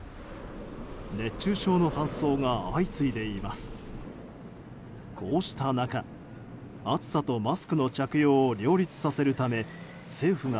熱中症の搬送が相次いでいます。